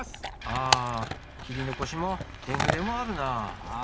あ切り残しもえぐれもあるなあ。